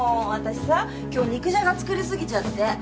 私さ今日肉じゃが作り過ぎちゃって。